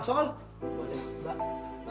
masih rata lagi ya